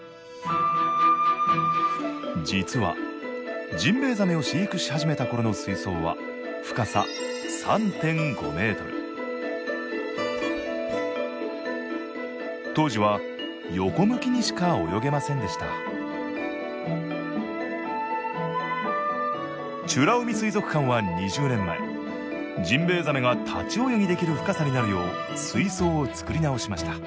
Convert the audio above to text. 実はジンベエザメを飼育し始めたころの水槽は深さ３．５ｍ当時は横向きにしか泳げませんでした美ら海水族館は２０年前ジンベエザメが立ち泳ぎできる深さになるよう水槽を造り直しました。